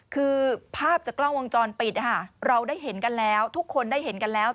คือภาพจากกล้องวงจรปิดเราได้เห็นกันแล้วทุกคนได้เห็นกันแล้ว